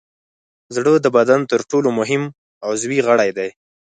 زړه د بدن تر ټولو مهم عضوي غړی دی.